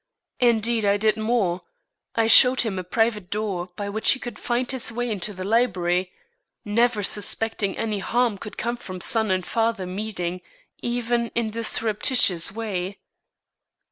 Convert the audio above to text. Indeed, I did more; I showed him a private door by which he could find his way into the library, never suspecting any harm could come of son and father meeting even in this surreptitious way.